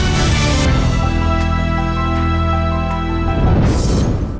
โปรดติดตามตอนต่อไป